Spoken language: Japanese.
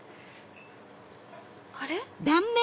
あれ？